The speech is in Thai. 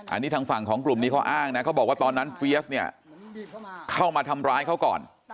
อันนี้ทางฝั่งของกลุ่มนี้เขาอ้างนะเขาบอกว่าตอนนั้นเฟียสเนี่ยเข้ามาทำร้ายเขาก่อน